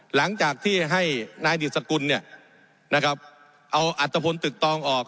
หลังจากที่ให้นายดิสกุลเนี่ยนะครับเอาอัตภพลตึกตองออก